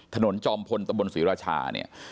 ถนนจอมพลตะบลศรีรชา